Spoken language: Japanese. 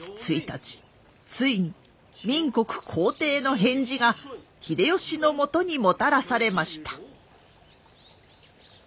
ついに明国皇帝の返事が秀吉のもとにもたらされました。